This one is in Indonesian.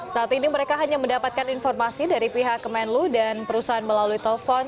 saat ini mereka hanya mendapatkan informasi dari pihak kemenlu dan perusahaan melalui telepon